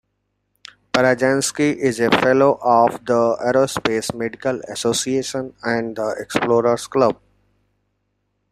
Parazynski is a Fellow of the Aerospace Medical Association and The Explorers Club.